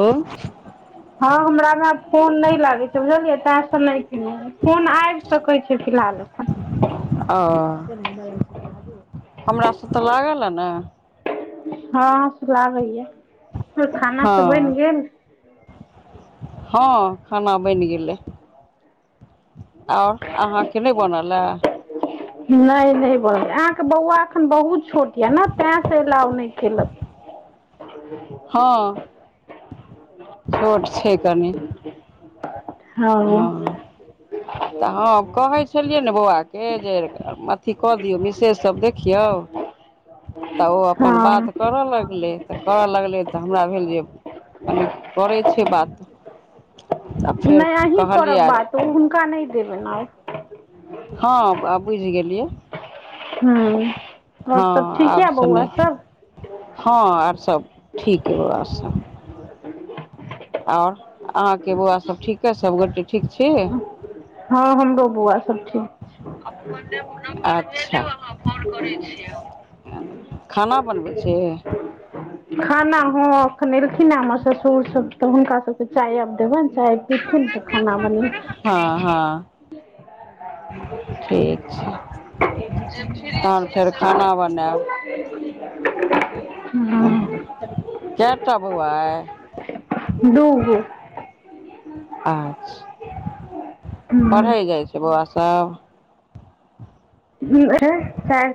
ओ। हँ हमरा में आब फोन नहि लागै छै बुझलियै तेयसँ नहि केलै। फोन आइब सकै छै फिलहाल अखन। ओँ हमरा सँ तऽ लागल ए ने। हँ अहाँ सँ लागैया खाना सब बनि हँ गेल। हँ खाना बनि गेलै। अओर अहाँके नहि बनलेए। नहि नहि बनलेए अहाँके बौआ एखन बहुत छोट या नऽ तेए से। प्लाऊ नहि खेलक। हँ छोट छै कनि। हँ। तऽ हँ कहै छलियै ने बौआके जे अथी कऽ दियौ मिसेज सब देखियौ। तऽ ओ अपन हँ बात करऽ लगलै। तऽ करऽ लगलै तऽ हमरा भेल जे कनि करै छै बात। आ फेर नहि अहीं कहलियै करब आज बात ओ हुनका नहि देबेन आब। हँ आब बुझि गेलियै। हूं आओर हँ सब ठीक यऽ आबसँ बौआ नहि सब। हँ आर सब ठीक अय बउआ सब। अओर अहाँ के बौआ सब ठीक एय सबगोटे ठीक छी। हँ हमरो बौआ सब ठीक अपन नम्बर भेजू अहाँ फोन करै छियै हम अच्छा। खाना बनबै छि? खाना हँ एखन एलखिन हमर ससुर सब तऽ हुनका सबके चाय आब देबनि चाय पीथिन। खाना बनेबै। हँ हँ। ठीक [unintelligible] तहन फेर खाना बनेब। हँ कै टा बौआ अय। दू गो। अच्छा पढ़ै जाइ छै बौआ सब। नहि चारि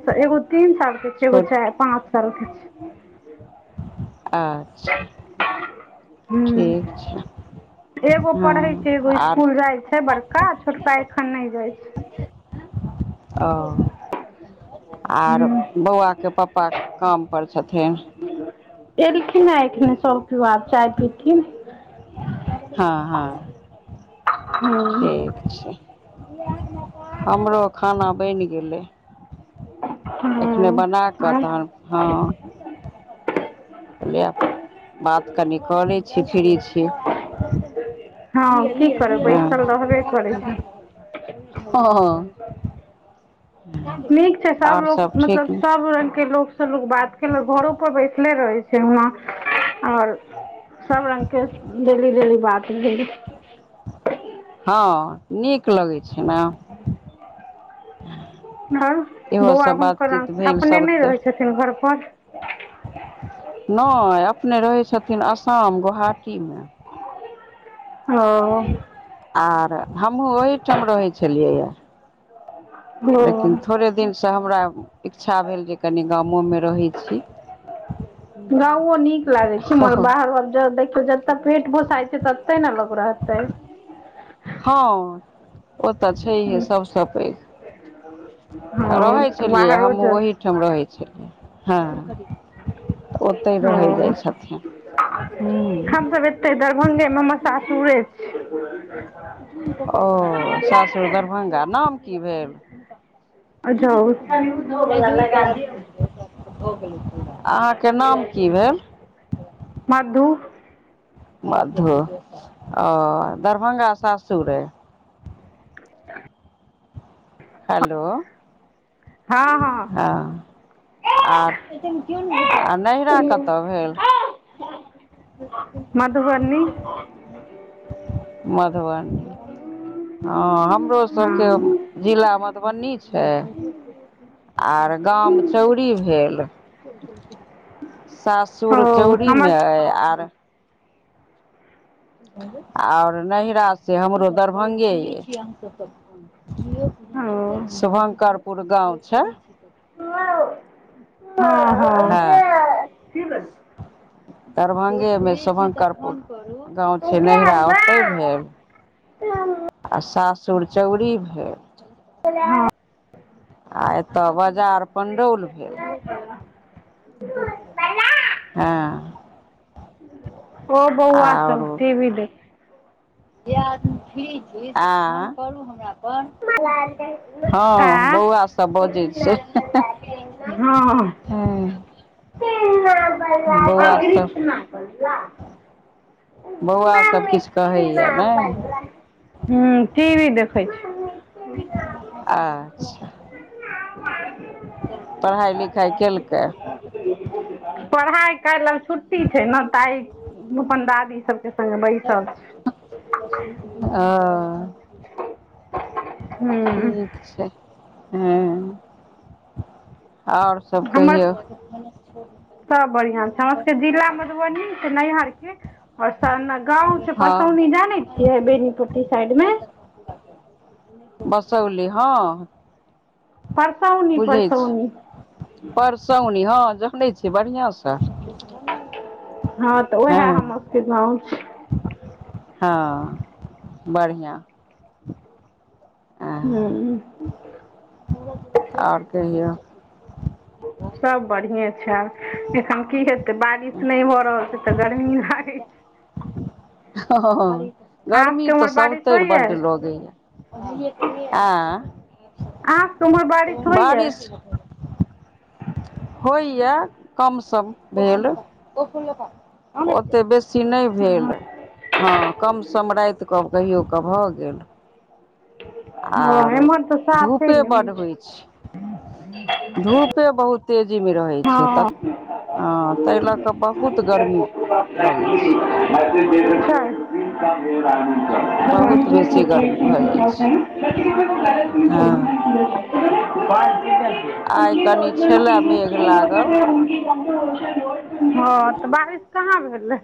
साल एगो तीन साल के छै एगो चाइ छोट पाँच साल के छै। अच्छा हूँ ठीक छै। एगो हँ पढ़ै छै एगो आर स्कूल जाय छै बड़का छोटका एखन नहि जाय छै। ओँ आर हूँ बौआके पप्पा काम पर छथिन। एलखिन है एखने सब कियो आब चाय पीथिन। हँ हँ हूँ ठीक। अच्छा हमरो खाना बनि गेलै। एखने हँ बना कऽ आर तहन फा कहलियै बात कनि कऽ लय छी फ्री छियै। हँ की करबै बैसल रहबे करै छै हँ हँ। [unintelligible] नीक छै सब आओर लोक मतलब ठीक ने सब रंग के लोक बात केलक घरो पर बैसले रहे छै हुआँ ओर। सब रंगके डेली डेली बात भेल। हँ नीक लगै छै ने। आर इहो बौआ सब हुनकर बातचीत भेल अपने सब नहि तऽ रहैत छथिन घर पर। नहि अपने रहै छथिन असाम गोहाटीमे। हां ओ। आर हमहुँ ओहि ठाम रहे छलियै य। ओ लेकिन थोड़े दिनसँ हमरा इच्छा भेल जे कनि गामोमे रहै छी। गाँवो नीक लागै छै हँ मगर बाहरहर देखियौ जतऽ पेट पोसाइत छै ततऽ। तै न लोक रहतै। हँ ओ तऽ छैहे सभसँ पैघ। हँ रहै तऽ छलियै बाहरो हमहूँ जे ओहीठाम रहै छलियै हँ। [unintelligible] ओतहि हँ रहय जाइ छथिन हूं। एतै दरभंगे मे हमर सासुरे छै। ओ सासुर दरभंगा नाम की भेल। जाउ [unintelligible] नाम की भेल [unintelligible] मधु। मधु और दरभंगा सासुर अइ। [inaudible] हेलो। हँ हँ आ आ नहिरा कतय भेल। [unintelligible] मधुबनी। मधुबनी हँ हमरो सबके। हँ जिला मधुबनी छै आर गाम चौरी भेल। ओ सासुर चौरी हमर मे अय आर। आओर नैहरा से हमरो दरभंगे यइ। ओ शुभंकरपुर गाँव छै। हँ हँ। [unintelligible] हँ दरभंगेमे शुभंकर। गाँव छै नैहरा ओतहि भेल। आ सासुर चौड़ी भेल। हँ [unintelligible] आ एतऽ बजार। पंडौल भेल हँ। ओ बौआ सभ टीभी देख। जे आदमी फ्री छी ऍं से फोन करू हमरा पर [unintelligible] आँ सब बजै हँ। हूँ। सब [inaudible] बौआ सभ किछ कहैए नै। हूँ टीवी देखै छै। अच्छा [inaudible] पढ़ाइ लिखाइ केलकै। पढ़ाइ काल्हि आब छुट्टी छै ने तऽ आइ अपन दादी सबके। संगे बैसल छी ओ। हूँ ठीक छै। हूँ आओर। हमर अ [unintelligible] सब बढ़ियां छै, साउस के जिला मधुबनी ने छै नैहरके आओर सब ने गाँंव छै हँ परसौनी जाने छियै बेनीपुट्टी साइड में। मसौली हँ। परसौनी बुझै छी परसौनी। परसौनी हँ देखने छियै बढ़िआँसँ। हँ तऽ उएह हमर सबके गाँव छी। हँ बढ़िआँ। हूं। आओर कहियौ। सब बढ़िए छै एखन की हेतै तऽ बारिश नहि भ रहल छै तऽ गर्मी लागे छै। हं। अहाँ गर्मी सबके तऽ उम्हर बारिश सभतरि होइया बड लगैये, आँ आहाँके तऽ उमहर बारिश होईये। बारिश होइए, कम सम भेल, ओते बेसी सी नहि भेल, हँ कम सम रातिकऽ कहियो कऽ भऽ गेल। हँ आरो एमहर तऽ साफे नै होइ छै। धूपे बहुत तेजीमे रहै छै, हँ तऽ हँ ताहि लऽ कऽ बहुत गर्मी लगैत छै। [unintelligible] बहुत बेसी गर्मी भऽ जाइ छै [unintelligible] हँ। बार [unintelligible] आइ कनि छले मेघ लागल। हँ तऽ बारिश कहाँ भेलै।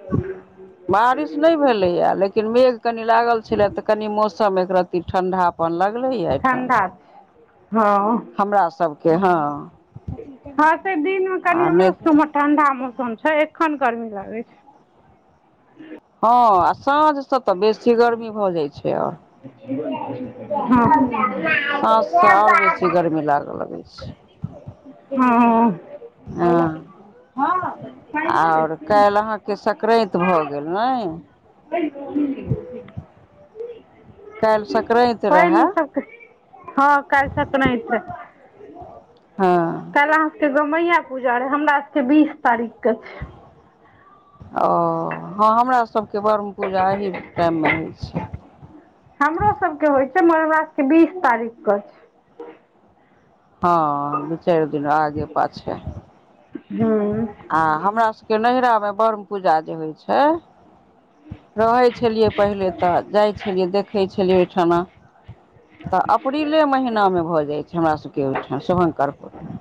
[inaudible] बारिश नहि भेलैए लेकिन मेघ कनि लागल छलै तऽ कनि मौसम एकरत्ती ठण्डा कनि लगलैये एहिठाम। ठण्डा हँ हमरा सबके हँ हँ से दिनमे कनि आ हमरो नहि सबके तऽ उमहर ठण्डा मौसम छै, एखन गरमी लगै छै। हँ आ साँझ से तऽ बेसी गर्मी भऽ जाइ छै आर। हँ [unintelligible] साँझसॅं आओर बेसी गरमी लागऽ लगै छै। हँ। हँ। ह आऔर काल्हि अहाँके संक्रैत भऽ गेल नै। [unintelligible] काल्हि संक्रैत पानि रहैं। ई सबके हँ काईल संक्रैत छय। हँ काल्हि अहाँ सबके गमैया पूजा रहे, हमरा सबके बीस तारीख क छै। ओ हँ हमरा सबके ब्रम्ह पूजा एहि टाइममे होइ छै। हमरो सबके होइ छै, मगर हमरा सबके बीस तारीख कऽ होय छै। हँ दू चारि दिन आगे पाछे। हूँ आ हमरा सबके नैहरामे ब्रह्म पूजा जे होइ छै। रहै छलियै पहिले तऽ जाइ छलियै देख देखै छलिय ओहिठना, तऽ अप्रीले च महिना मे भऽ जाइ छै हमरा सबके। के ओहींठा शुभ कर म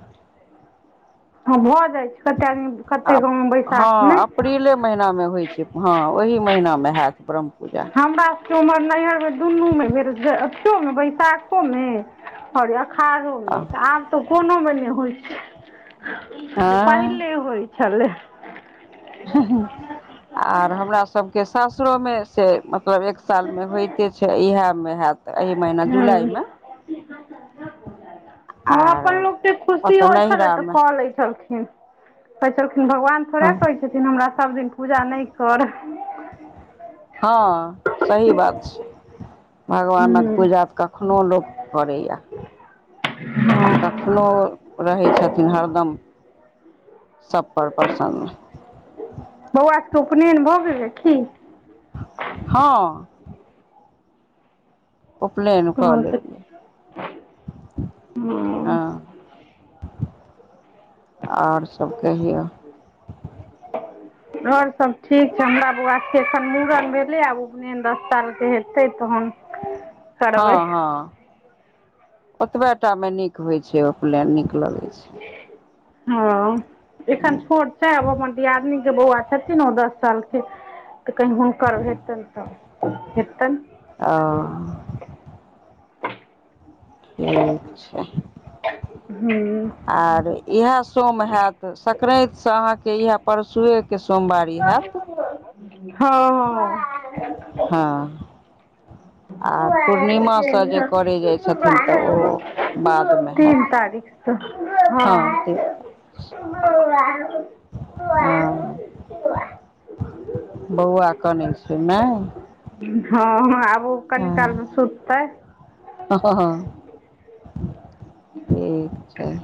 हँ भऽ जाइ छै कतेक आदमी, आ कतेक गाँव में हँ बैसाखमे। अप्रीले महिना में होइ छै। हँ ओहि महिनामे होयत ब्रझ हमरा सबके उमर नैहर मे दुनू मेर भेल जाए मे बैसाखो मे सार अषाढ़ोमे तऽ आब तऽ कोनो मे नहि होइ छै आँय पहिले होइ छलै। आर हमरा सबके सासुरो मे से मतलब एक साल मे होइत के छै इएह मे हयत एहि महीना हँ जुलाई मे हँ आर अपन लोकके खुशी ओतऽ होइत छलैन्ह ने त नैहरामे कऽ लै छलखिन। कहै छलखिन भगवान थोड़े हँ कहै छथिन, हमरा सब दिन पूजा नहि कर हँ सही बात छै भगवानक पूजा क कखनो लोक करे यैंए आ कखनो रहै छथिन हरदम सब पर बर्षा नु बौआ सभके उपनयन भऽ गेलै की। हँ उपलैन क तहन तऽ लेतय दऐ हँ। आओर सभ केहियौ। [inaudible] आओर सब ठीक छै, हमरा बौआके एखन मूड़न भेलैय, आब उपनयन दस सालके हेतै तहन [inaudible] करबै हँ-हँ ओतबे टा मे नीक होइ छै उपलैन, नीक लगै छै। हँ एखन छोट छै, आब हमरअपन दियादनी के बौआ छथिन ओ दस सालके, तऽ कहीँ हुनकर हेतनि तऽ हेतनि। आओ ठीक छै। हम्म आर इएह सोम हैत संक्रान्ति से अहाँके इएह परसुए के सोमवारी हैत। हँ-हँ हँ आर पूर्णिमासँ जे करै जाइ छथिन तऽ ओ बादमे हैत तीन तारीख। हँ हँ [unintelligible] बौआ कनय छै नहि। हाॅं- हाॅं आब उ कनि काल्हिमे हँ सुततै। हँ ठीक छैय,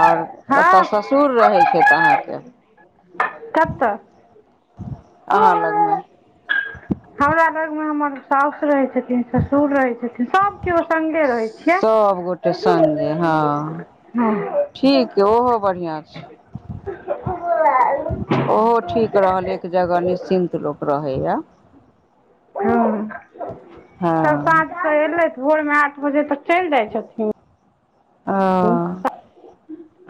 आर हँ ओतऽ सो सुर रहैय छैय त अहाँके कते अहाँ लगमे हमरा लग मे हमर साउस रहैय छथिन। ससुर रहैय छथिन सभ किओ संगे रहैय छियै। सभगोटे सङ्गे हँ हां ठीक य ओहो बढ़ियां छैय ओहो ठीक रहल एक जगह निश्चिन्त लोक रहै यऽ। हूॅं, हँ सब साँझ के एलै भोरमे आठ बजे तक चलि जाइ छथिन। ओह।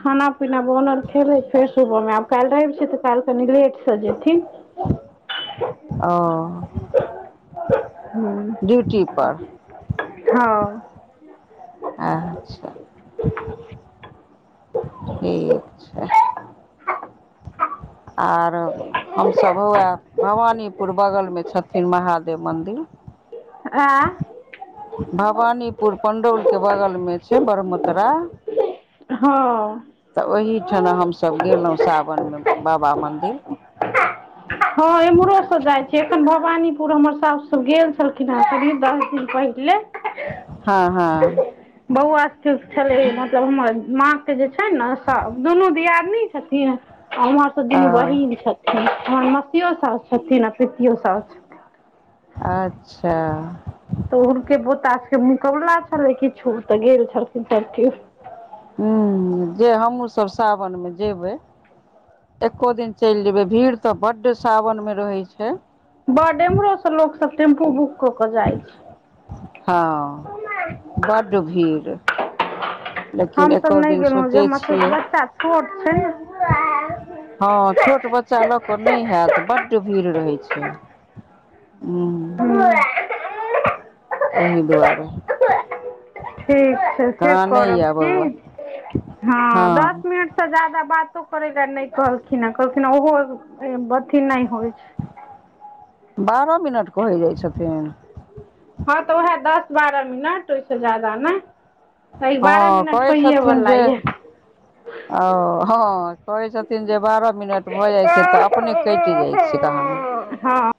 खाना-पीना बोनल खेलैय फेर सुबह मे काल्हि रैव छैय तऽ काल्हि कनि लेट से जेथिन। ओह हूॅं ड्यूटी पर हां अच्छा [inaudible] ठीक छैय। आरो। हमसभ उएह भवानीपुर बगलमे छथिन महादेव मन्दिर वएह भवानीपुर पणडौलके बगलमे छैय, बढ़मत्ररा हँ तऽ ओहिठना हमसब गेलहुँ सावन मे बाबा मन्दिर हां इम्हरो से जाय छैय। न भवानीपुर हमर सास सब गेल छलखिन हे करीब दस दिन पहिले। हां हां। बौआ स्थुत छलै मतलब हमर माँ के जे छैय नैय दुनू दियादनी छथिन आ उम्हर से दुनू ओ बहिन छथिन हमर मसियो सा छथिन अऽ पितियो साउस अच्छा तऽ हुनके पोता सब के मुकोबला छलै किछु तऽ गेल छलखिन सब किओ हूॅं, जे हमहुँ सब सावनमे जेबै एको दिन चलि जेबै भीड़ तऽ बड्ड सावन में रहैय छैय। बड्ड इमहरो से लोक सब टेम्पू बुक कऽ के जाइ छैय। हां बड्ड भीड़ लेकिन हमसभ एको नैय दिन गेलहुँ जे सोचै हमर सबके छियै बच्चा छोट छैय। हां छोट बच्चा लऽ कऽ नैय हयत बड्ड भीड़ रहै छैय। ह [inaudible] ओहि दुआरे ठीक छैय फेर कानै करब यए की बौआ हां हँ दस मिनट से ज्यादा बातो करै लैय नैय कहलखिन हे, कहलखिन ओहो अथी नैय होइ छैय। बारह मिनट कहै जाइ छथिन। हँ तऽ उहैऽ दस -बारह मिनट ओयसँ जादा नय। त इ हँ बारह मिनट कहै छथिन होइयेवला जे यैऽ। ओ हँ। कहै छथिन जे बारह मिनट भऽ जाइ छै तऽ अपने कइट जाइ छै कहाद्न्- हँ।